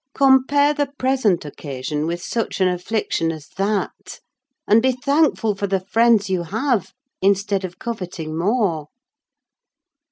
Compare the present occasion with such an affliction as that, and be thankful for the friends you have, instead of coveting more."